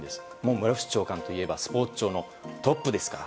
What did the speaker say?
室伏長官といえばスポーツ庁のトップですから。